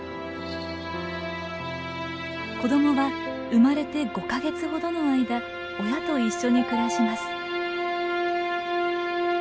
子どもは生まれて５か月ほどの間親と一緒に暮らします。